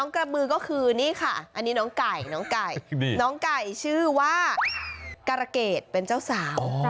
กระบือก็คือนี่ค่ะอันนี้น้องไก่น้องไก่น้องไก่ชื่อว่าการะเกดเป็นเจ้าสาว